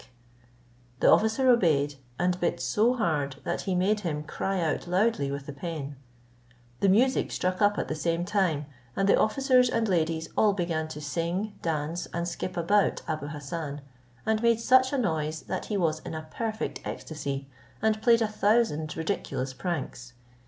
The officer obeyed, and bit so hard, that he made him cry out loudly with the pain; the music struck up at the same time, and the officers and ladies all began to sing, dance, and skip about Abou Hassan, and made such a noise, that he was in a perfect ecstasy, and played a thousand ridiculous pranks.